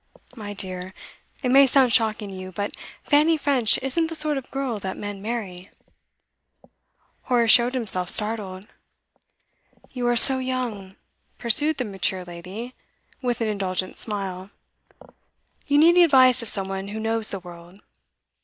My dear, it may sound shocking to you, but Fanny French isn't the sort of girl that men marry.' Horace showed himself startled. 'You are so young,' pursued the mature lady, with an indulgent smile. 'You need the advice of some one who knows the world.